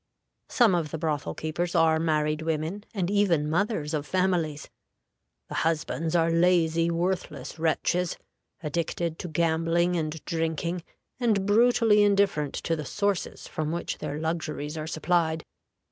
Some of the brothel keepers are married women, and even mothers of families. The husbands are lazy, worthless wretches, addicted to gambling and drinking, and brutally indifferent to the sources from which their luxuries are supplied.